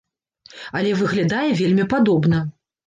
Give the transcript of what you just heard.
Але выглядае вельмі падобна.